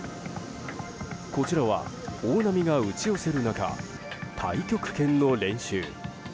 こちらは、大波が打ち寄せる中太極拳の練習。